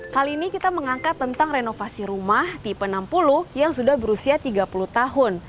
kali ini kita mengangkat tentang renovasi rumah tipe enam puluh yang sudah berusia tiga puluh tahun